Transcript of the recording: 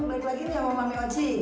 kembali lagi nih sama ma oci